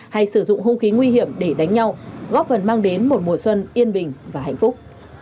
hay sử dụng hung khí nguy hiểm để đánh nhau góp phần mang đến một mùa xuân yên bình và hạnh phúc